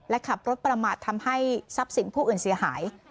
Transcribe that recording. และขับรถประมาททำให้ทรัพย์สินผู้อื่นเสียหาย